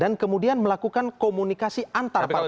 dan kemudian melakukan komunikasi antar partai politik